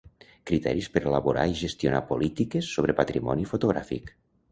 Criteris per elaborar i gestionar polítiques sobre patrimoni fotogràfic.